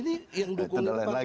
nah ini yang dukungnya